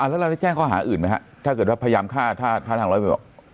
แล้วเราได้แจ้งข้อหาอื่นไหมฮะถ้าเกิดว่าพยายามฆ่าถ้าทางร้อยเวล